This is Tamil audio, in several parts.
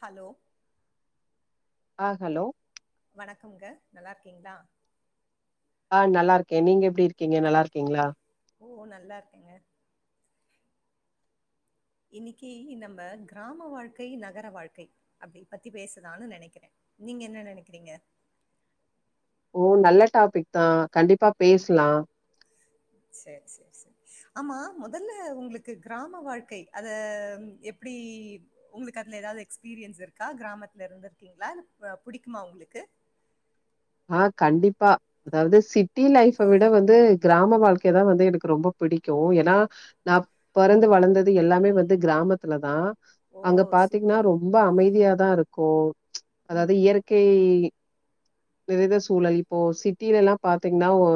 ஹலோ ஆ ஹலோ வணக்கங்க நல்லா இருக்கீங்களா ஆ நல்லா இருக்கே நீங்க எப்டி இருக்கீங்க நல்லாருக்கீங்களா ஓ ஒ நல்லா இருக்கேங்க இன்னைக்கு நம்ம கிராம வாழ்க்கை நகர வாழ்க்கை அப்படி பத்தி பேசுலான்னு நெனைக்கிற நீங்க என்ன நெனைக்கிறீங்க ஓ நல்ல டாபிக் தா கண்டிப்பா பேசலா சரி சரி சரி ஆமா மொதல்ல உங்களுக்கு க்ராம வாழ்க்கை அத எப்டி உங்களுக்கு அதுல ஏதாவது எக்ஸ்பீரியன்ஸ் இருக்கா கிராமத்துல இருந்திருக்கீங்களா அ புடிக்குமா உங்களுக்கு ஆ கண்டிப்பா அதாவ்து சிட்டி லைஃப் விட வந்து க்ராம வாழ்க் இங்கதா வந்து எனக்கு ரொம்ப பிடிக்கு ஏன்னா நா பொறந்து வளந்தது எல்லாமே வந்து க்ராமத்துலதா ஓ அங்க பாத்தீங்கன்னா சூப்பர் ரொம்ப அமைதியாதா இருக்கு அதாவ்து இயற்கை நெறைத சூழல் இப்போ சிட்டில எல்லா பாத்தீங்கன்னா ஒ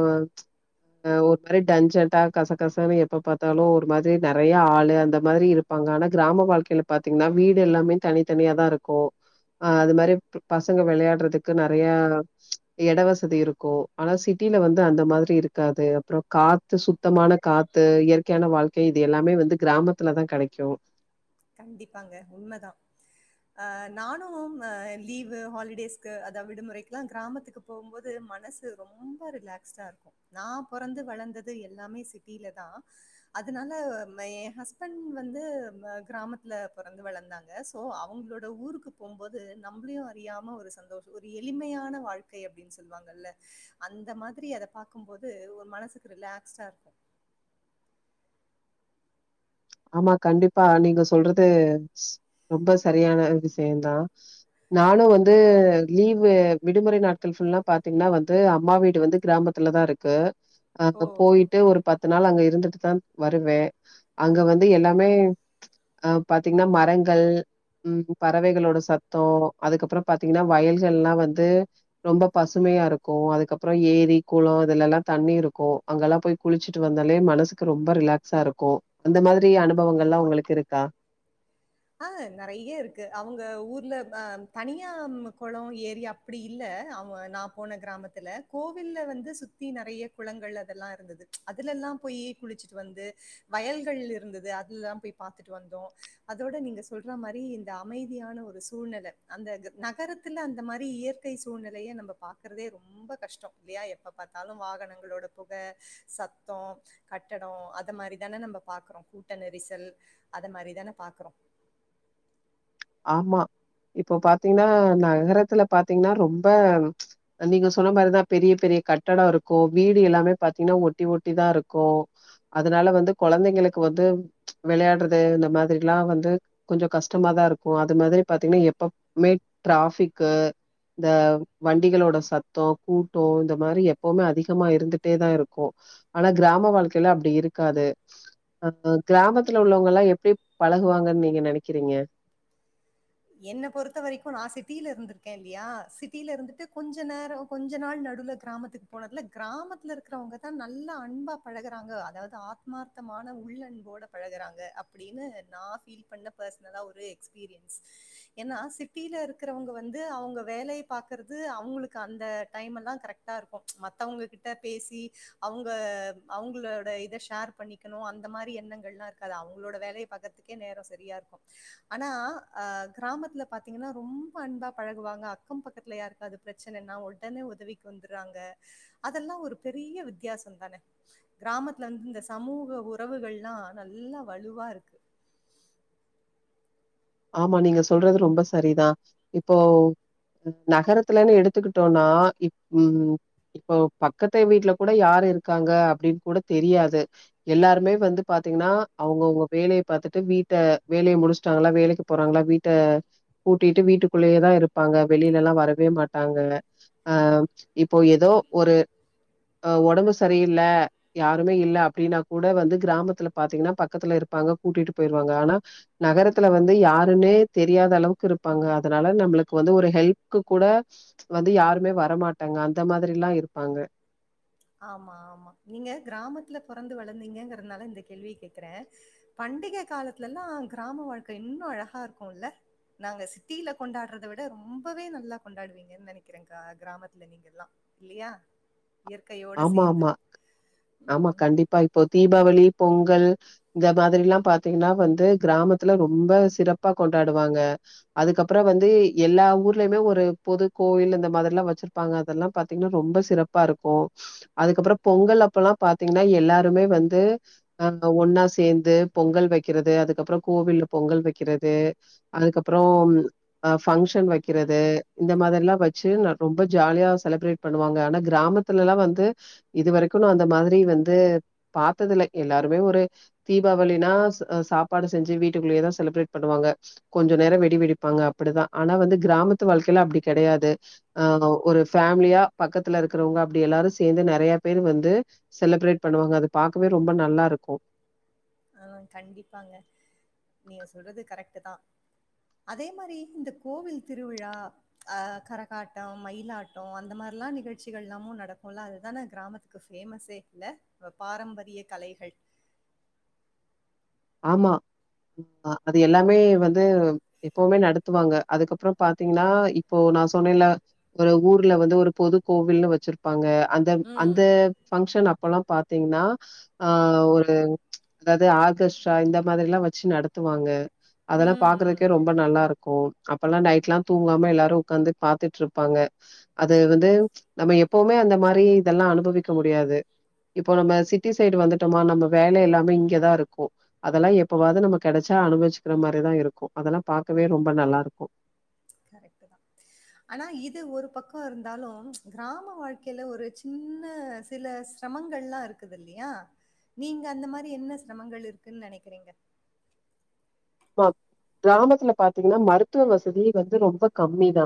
ஒரு மாரி டன்சன்டா கசக்கசன்னு எப்ப பாத்தாலு ஒரு மாரி நெறைய ஆளு அந்த மாரி இரு ப்பாங்க ஆனா க்ராம வாழ்க்கையில பாத்தீங்கன்னா வீடு எல்லாமே தனித்தனியா தா இருக்கு ஆ அது மாரி பசங்க விளயாடுறதுக்கு நறையா இடவசதி இருக்கொம் ஆனா சிட்டில வந்து அந்த மாதிரி இருக்காது அப்புறம் கா சுத்தமான காத்து இயற்கையான வாழ்க்கை இது எல்லாமே வந்து கிராமத்துலதான் கெடைக்கும் கண்டிப்பாங்க உண்மதா ஆ நானும் லீவு ஹாலிடேஸ்க்கு அதாவது விடுமுறைக்கெல்லாம் கிராமத்துக்கு போம்போது மனசு ரொம்ப ரிலாக்ஸ்டா இருக்கு நா பொறந்து வளந்தது எல்லாமே சிட்டில தா அதனால மை ஹஸ்பண்ட் வந்து ம கிராமத்துல பொறந்து வளந்தாங்க சோ அவங்களோட ஊருக்கு போம்போது நம்ளையு அறியாம ஒரு சந்தோஷ் ஒரு எளிமையான வாழ்க்கை அப்டின்னு சொல்லுவாங்கல்ல அந்த மாதிரி அத பாக்கும்போது ஒ மனசுக்கு ரிலாக்ஸ்டா இருக்கு ஆமா கண்டிப்பா நீங்க சொல்றது ரொம்ப சரியான விஷயதா நானு வந்து லீவு விடுமுறை நாட் சும்மா பாத்தீங்கன்னா வந்து அம்மா வீடு வந்து கிராமத்துல தான் இருக்கு அ ஓ! ஓ! போயிட்டு ஒரு பத்து பத்து நாள் அங்க இருந்துட்டு தா வருவே அங்க வந்து எல்லாமே அ பாத்தீங்கன்னா மரங்கள் ம் பறவைகளோட சத்தோம் அதுக்கு அப்ரோ பாத்தீங்கன்னா வயல்கள்ல்லாம் வந்து ரொம்ப பசுமையா இருக்கு அதுக்கப்ரோ ஏரி குளோ இதுலல்லா தண்ணி இருக்கு அங்கல்லா போய் குளிச்சுட்டு வந்தாலே மனசுக்கு ரொம்ப ரிலாக்ஸா இருக்கு அந்த மாதிரி அனுபவங்கள்லாம் உங்களுக்கு இருக்கா ஆ நெறைய இருக்கு அவுங்க ஊர்ல அ தனியா குளோ ஏரி அப் அப்டி இல்ல அவ நா போன கிராமத்துல கோவில்ல வந்து சுத்தி நெறைய குளங்கள் அதெல்லா இருந்தது அதுல எல்லாம் போய் குளிச்சுட்டு வந்து வயல்கள் இருந்தது அதுலாம் போய் பாத்துட்டு வந்தோம் அதோட நீங்க சொல்ற மாரி இந்த அமைதியான ஒரு சூழ்நெல அந்த நகரத்துல அந்த மாரி இயற்க இயற்கை சூழ்நெலைய நம்ப பாக்குறதே ரொம்ப கஷ்டோம் இல்லையா எப்ப பாத்தாலும் வாகனங்களோட புக ச தோ கட்டடோ அத மாரி தானே நம்ம பாக்கறோ கூட்ட நெரிசல் அத மாரி தானே பா [inaudible] ஆமா இப்போ பாத்தீங்கன்னா நகரத்துல பாத்தீங்கன்னா ரொம்ப நீங்க சொன்ன மாரிதா பெரிய பெரிய கட்டட இருக்கு வீடு எல்லாமே பாத்தீங்ன்னா ஒட்டி ஒட்டி தா இருக்கு அதனால வந்து கொழந்தைங்களுக்கு வந்து வெளையாடுறது இந்த மாதிரில்லா வந்து கொஞ்ச கஷ்டமாதா இரு க்கு அது மாதிரி பாத்தீங்கன்னா எப்பவுமே டிராஃபிக்கு இந்த வண்டிகளோட சத்தோம் கூட்டோம் இந்த மாரி எப்போமே அதிகமா இருந்துட்டே தான் இருக்கும் ஆனா கிராம வாழ்க்கைலா அப்டி இருக்காது அ அ கிராமத்துல உள்ளவங்கல்லா எப்டி பழகுவாங்கன்னு நீங்க நெனைக்கிறீங்க என்ன பொறுத்த வரைக்கு நா சிட்டில இருந்திருக்கே இல்லையா சிட்டியில இருந்துட்டு கொஞ்ச நேரொ கொஞ்ச நாள் நடுல கிராமத்துக்கு போனதுல கிராமத்துல இருக்கிறவங்க தான் நல்லா அன்பா பழகுிறாங்க அதாவது ஆ மார்த்தமான உள்ளன்போட பழகுறாங்க அப்டின்னு நா ஃபீ இ பண்ண பர்சனலா ஒரு எக்ஸ்பீரியன் [inaudible] ஏன்னா சிட்டியில இருக்கிறவங்க வந்து அவங்க வேலைய பாக்குறது அவுங்களுக்கு அந்த டைம் எல்லா கரெக் டா இருக்கு மத்தவங்ககிட்ட பேசி அவுங்க அவுங்களோட இத ஷேர் பண்ணி க்கனு அந்த மாரி எண்ணங்கள்லா இருக்காது அவங்களோட வேலைய பக்கத்துக்கே நேரோ சரியா இருக்கு ஆனா கிராமத்துல் பாத்தீங்கன்னா ரொம்ப அன்பாக பழகுவாங்க அக்கம் பக்கத்தில யாருக்காது பிரச்சனனா உடனே உதவி வந்துறாங்க அதெல்லா ஒரு பெரிய வித்தியாசொ தானே கிராமத்துல்ல வந்து இந்த சமூக உறவுகள்லாம் நல்லா வலுவா இருக்கு ஆமா நீங்க சொல்றது ரொம்ப சரிதான் இப்போ நகரத்துலன்னு எடுத்துக்கிட்டோனா இப் ம் இப்போ பக்கத்து வீட்டுல கூட யாரு இருக்காங்க அப்படின்னு கூட தெரியாது எல்லாருமே வந்து பாத்தீங்கன்னா அவங்கவுங்க வேலைய பாத்துட்டு வீட்ட வேலைய முடிச்சுட்டாங்களா வேலை க்கு போறாங்களா வீட்ட பூட்டிட்டு வீட்டுக்குள்ளயேதா இருப்பாங்க வெளிலேலா வரவே மாட்டாங்க அ இப்போ ஏதோ ஒரு ஒடம்பு சரியில்ல யாருமே இல்ல அப்டின்னா கூட வந்து கிராமத்துல பாத்தீங்கன்னா பக்கத்துல இருப்பாங்க கூட்டிட்டு போயிருவாங்க ஆனா நகரத்துல வந் து யாருனே தெரியாத அளவுக்கு இருப்பாங்க அதனால நம்மளுக்கு வந்து ஒரு ஹெல்ப்க்கு கூட வந்து யாருமே வரமாட்டாங்க அந்த மாதிரில்லா இருப்பாங்க ஆமா ஆமா நீங்க கிராமத்துல பொறந்து வளந்தீங்கங்கறனால இந்த கேள்விய கேக்குற பண்டிக காலத்துலல்லா கிராம வாழ்க்க இன்னு அழகா இருக்குல்ல நாங்க சிட்டில கொண்டாடுறத விட ரொம்பவே நல்லா கொண்டாடுவீங்கன் நெனக்கிறேங்க்கா கிராமத்துல நீங்கெல்லா இல்லியா ஆமா ஆமா ஆமா ம். கண்டிப்பா இப்போ தீபாவளி பொங்கல் இந்த மாதிரில்லா பாத்தீங்கன்னா வந்து கிராமத்துல ரொம்ப சிறப்பா கொண்டாடுவாங்க அதுக்கப்றோ வந்து எல்லா ஊர்லயுமே ஒரு பொது கோவில் இந்த மாதிரில்லா வச்சிருப்பாங்க அதெல்லா பாத்தீங்ன்னா ரொம்ப சிறப்பா இருக்கு அதுக்கப்றம் பொங்கல் அப்பலா பாத்தீங்கன்னா எல்லாருமே வந்து அ அ ஒன்னா சேந்து பொங்கல் வைக்கிறது அதுக்கப்றோ கோவில்ல பொங்கல் வைக்கிறது அதுக்கப்றோம் அ ஃபங்க்ஷன் வைக்கிறது இந்த மாதிரிலா வச்சு ந ரொம்ப ஜாலியா செலிப்ரேட் பண்ணுவாங்க ஆனா கிராமத்து இதுலல்லா வந்து இது வரைக்கு நா அந்த மாதிரி வந்து பாத்ததுல்ல எல்லாருமே ஒரு தீபாவளினா ச அ சாப்பாடு செஞ்சு வீட்டுக்குள்ளேயேதா செலிப்ரேட் பண்ணுவாங்க கொஞ்சொ நேரோ வெடி வெடிப்பாங்க அப்டிதா ஆனா வந்து கிராமத்து வாழ்க்கைல அப்டி கெடயாது அ ஒரு ஃபேமிலியா பக்கத்துல இருக்குறவங்க அப்டி எல்லாரு சேந்து நெறய பேர் வந்து செலிப்ரேட் பண்ணுவாங்க அது பாக்கவே ரொம்ப நல்லாருக்கு ஆ கண்டிப்பாங்க நீங்க சொல்றது கரெக்ட்டு தா அதே மாரி இந்த கோவில் திருவிழா அ கரகாட்டொ மயிலாட்டோ அந்த மாரிலா நிகழ்ச்சிகள் எல்லாமு நடக்குல்ல அதுதான கிராமத்துக்கு க்கு பேஃமஸே இல்ல ஒ பாரம்பரிய கலைகள் ஆமா அ அது எல்லாமே வந்து எப்பவுமே நடத்துவாங்க அதுக்கப்றோ பாத்தீங்னா இப்போ நா சொன்னேல்ல ஒரு ஊர்ல வந்து ஒரு பொது கோவில்னு வச்சிருப்பாங்க அந்த ம். அந்த ஃபங்க்ஷன் அப் அப்பல்லா பாத்தீங்கன்னா ஆ ஒரு அதாவ்து ஆர்கஸ் டா இந்த மாதிரில்லா வச்சு நடத்துவாங்க அதெல்லா ம், ம். பாக்குறதுக்கே ரொம்ப நல்லா இருக்கு அப்பல்லா நைட்லா தூங்காம எல்லாரு உக்காந்து பாத்துட்டுருப்பாங்க அது வந்து நம்ம எப் எப்பவுமே அந்த மாரி இதெல்லா அனுபவிக்க முடியாது இப்போ நம்ம சிட்டி சைடு வந்துட்டோமா நம்ம வேல எல்லாமே இங்கேதா இருக்கு அதெல்லா எப்பவாது நம்ம கடச்சா அனுபவிச்சக்கிற மாரிதா இருக்கு அதெல்லா பாக்கவே ரொம்ப நல்லா இருக்கு கரெக்ட்டுதா ஆனா இது ஒரு பக்கோ இருந்தாலு கிராம வாழ்க்கைல ஒரு சின்ன இதுல சிரமங்கள்லா இருக்குதுல்லையா நீங்க அந்த மாரி என்ன சிரமங்கள் இருக்குன் நனைக்கிறீங்க ஆ கிராமத்துல பாத்தீங்கன்னா மருத்துவ வசதி வந்து ரொம்ப கம்மி தா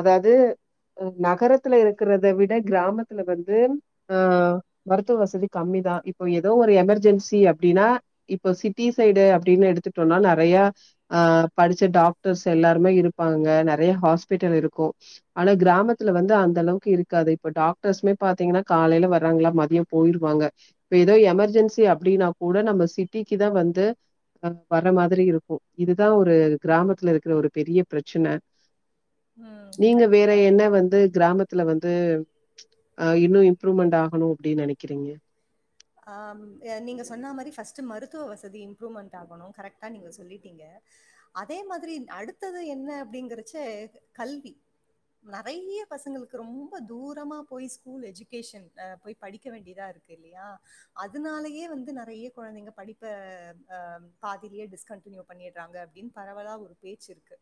அதாவ்து ம் நகரத்துல இருக்குறத விட கிராமத்துல வந்து ஆ மருத்துவ வசதி கம்மிதா இப்போ ஏதோ ஒரு எமெர்ஜென்சி அப்டின்னா இப்போ சிட்டி சைடு அப்டின்னு எடுத்துட்டோன்னா நெறையா ஆ படிச்ச டாக்டர்ஸ் எல்லாருமே இருப்பாங்க நெறய ஹாஸ்பிட்டல் இருக்கு ஆனா கிராமத்துல வந்து அந்த அளவுக்கு இருக்காது இப்ப டாக்டர்ஸ்மே பாத்தீங்கன்னா காலைல வராங்களா மதியோ போய்ருவாங்க இப்ப ஏதோ எமர்ஜென்சி அப்டின்னா கூட நம்ம சிட்டிக்கு தா வந்து அ வர மாரி இருக்கும் இதுதா ஒரு கிராமத்துல இருக்குற ஒரு பெரிய பிரச்சன ம். நீங்க வேற கண்டிப்பா என்ன வந்து கிராமத் தல வந்து அ இன்னு இம்ப்ரூவ்மெண்ட் ஆகணு அப்டி நெனைக்கிறீங்க ஆம் நீங்க சொன்னா மாரி ஃபஸ்ட்டு மருத்துவ வசதி இம்ப்ரூ்மெண்ட் ஆகணும் கரெக்டா நீங்க சொல்லிட்டிங்க அதே மாதிரி அடுத்தது என்ன அப்படிங்கறச்ச கல்வி நெறைய பசங்களுக்கு ரொம்ப தூரமா போய் ஸ்கூல் எஜுகேஷன் போய் படிக்க வேண்டியதா இருக் தெர்லீயா அதனாலையே வந்து நெறைய கொழந்தைங்க படிப்ப பாதிலியே டிஸ்கண்டினியூ பண்ணிடுறாங்க அப்டினு பரவலா ஒரு பேச் இருக்கு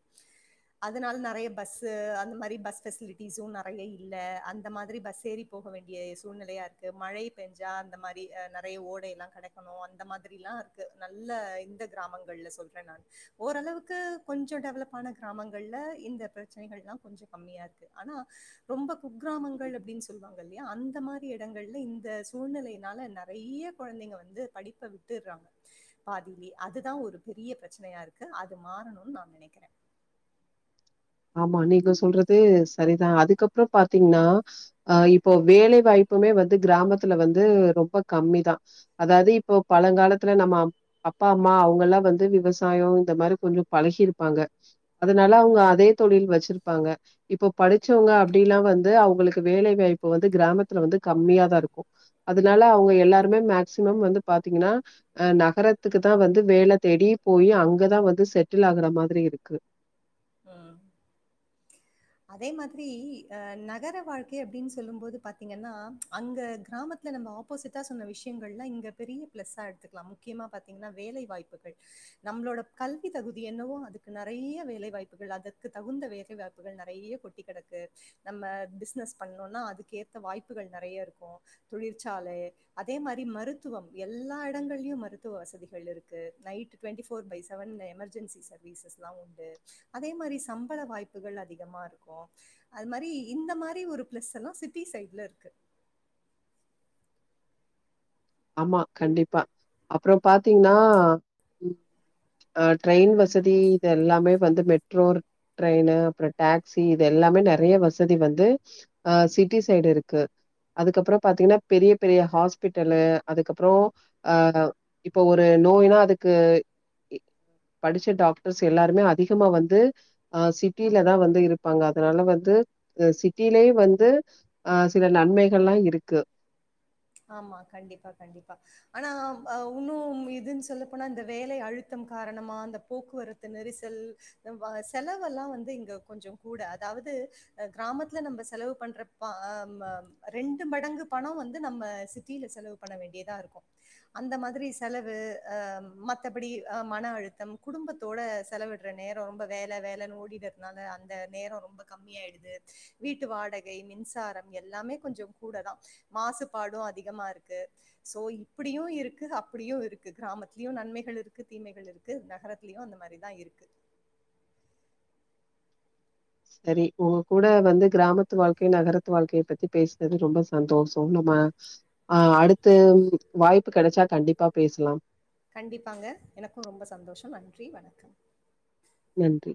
அதனால நறைய பஸ்ஸு அந்த மாரி பஸ் பெசிலிட்டிஸும் நெறைய இல்ல அந்த மாரி பஸ் ஏறிப் போக வேண்டிய சூழ்நெலையா இருக்கு மழை பேஞ்சா அந்த மாரி நெறைய ஓடையல்லாம் கடக்கணும் அந்த மாதிரிலாம் இருக்கு நல்ல இந்த கிராமங்கள்ல சொல்றன் நான் ஓரளவுக்கு கொஞ்ஜோம் டெவலப் ஆன கிராமங்கள்ல இந்த பிரச்சனைகள்ளாம் கொஞ்ஜோம் கம்மியா இருக்கு ஆனா ரொம்ப குக்கிராமங்கள் அப்டின்னு சொல்லுவாங்க இல்லையா அந்த மாரி இடங்கள்ல இந்த சூழ்நிலை இ அதனால நெறைய கொழந்தைங்க வந்து படிப்ப விட்டுறாங்க பாதிலியே அதுதான் ஒரு பெரிய ப்ரெச்சனையா இருக்கு அது மாறணுனு நா நினைக்கிற ஆமா நீங்க சொல்றது சரிதா அதுக்கப்புறோ பாத்தீங்னா அ இப்போ வேலைவாய்ப்புமே வந்து கிராமத்துல வந்து ரொம்ப கம்மிதான் அதாது இப்போ பழங்காலத்துல நம்ம அப்பா அம்மா அவங்கல்லாம் வந்து விவசாயம் இந்த மாரி கொஞ்ஜோ பழகிருப்பாங்க அதனால அவுங்க அதே தொழில் வச்சிருப்பாங்க இப்போ படிச்சவங்க அப்டிலா வந்து அவங்களுக்கு வேலை வாய்ப்பு வந்து கிராமத்துல வந்து கம்மியாதா இருக்கும் அதுனால அவங்க எல்லாருமே மேக்சிமம் வந்து பாத்தீங்னா அ நகரத்துக்கு தா வந்து வேல தேடி போய் அங்கதா வந்து செட்டில் ஆகற மாதிரி இருக்கு [unintelligible] [inaudible] அதே மாதிரிஅ நகர வாழ்க்கை அப்டின் சொல்லும் போது பாத்தீங்கன்னா அங்க கிராமத் இங்க நம்ம ஆப்போசிட்டா சொன்ன விஷயங்கள்லா இங்க பெரிய பிளஸ்ஸா எடுத்துக்கலா முக்கியமா பாத்தீங்னா வேலை வாய்ப்புகள் நம்ளோட கல்வி தகுதி என்னவோ அதுக்கு நறைய வேலைவாய்ப்பு [unintelligible] அதற்கு தகுந்த வேலை வாய்ப்புகள் நறைய கொட்டி கடக்கு நம்ம பிஷ்னஸ் பண்ணோனா அதுக்கு ஏத்த வாய்ப்புகள் நெறைய இருக்கும் தொழிற்சாலை அதே மாரி மருத்துவம் எல்லா இடங்கள்லயும் மருத்துவ வசதிகள் இருக்கு night twenty four by seven emergency சர்வீசஸ்லா உண்டு அதே மாரி சம்பள வாய்ப்புகள் அதிகமா இருக்கு அது மாரி இந்த மாரி ஒரு பிளஸ்ல்லா சிட்டி சைட்லா இருக்கு ஆமா கண்டிப்பா அப்புறோ பாத்தீங்னா அ ட்ரெயின் வஸ் வசதி இது எல்லாமே வந்து மெட் ட்டோர் ட்ரெயினு அப்புறோம் டேக்ஸி இது எல்லாமே நெறைய வசதி வந்து அ சிட்டி சைடு இருக்கு அதுக்கப்புறம் பாத்தீங்னா பெரிய பெரிய ஹாஸ்பிட்டலு அதுக்கப்றோம் ஆ இப்போ ஒரு நோய்னா அதுக்கு எ படிச்ச டாக்டர்ஸ் எல்லாருமே அதிகமா வந்து ஆ சிட்டில தா வந்து இருப்பாங்க அதனால வந்து இது சிட்டிலே வந்து ஆ சில நன்மைகள்லா இருக்கு ஆமா கண்டிப்பா கண்டிப்பா ஆனா உன்னும் இதுன்னு சொல்ல போனா இந்த வேலை அழுத்தம் காரணமா அந்த போக்குவரத் து நெரிசல் வ செலவெல்லா வந்து இங்க கொஞ்சோ கூட அதாவ்து கிராமத்துல நம்ப செலவு பண்ற பாம ரெண்டு மடங்கு பணம் வந்து நம்ம சிட்டியில செலவு பண்ண வேண்டியதா இருக்கு அந்த மாதிரி செலவு அ மத்தபடி மன அழுத்தம் குடும்பத் த்தோட செலவிட்ற நேர ரொம்ப வேல வேலன்னு ஓடிட்றதுனால அந்த நேர ரொம்ப கம்மியாய்டுது வீட்டு வாடகை மின்சாரம் எல்லாமே கொஞ்சோ கூடதா மாச பாடு அதிகமா இருக்கு சோ இப்டியு இருக்கு அப்டியு இருக்கு கிராமத்திலியு நன்மைகள் இருக்கு தீமைகள் இருக் கு நகரத்லயு அந்த மாரிதா இருக்கு சரி உங்க கூட வந்து கிராமத்து வாழ்க்கயு நகரத்து வாழ்க்கய பத்தி பேஸ்னது ரொம்ப சந்தோஷோ நம்மா ஆ அடுத்து வாய்ப்பு கெடச்சா கண்டிப்பா பேசலா கண்டிப்பாங்க எனக்கு ரொம்ப சந்தோஷம் நன்றி வணக்கம் நன்றி